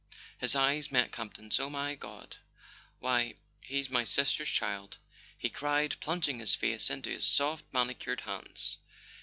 His eyes met Campton's. "Oh, my God! Why, he's my sister's child! " he cried, plunging his face into his soft manicured hands.